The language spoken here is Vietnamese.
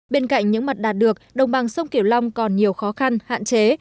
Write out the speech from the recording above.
bên cạnh những mặt đạt được đồng bằng sông kiểu long còn nhiều khó khăn hạn chế